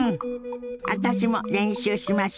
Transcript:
私も練習しましょ。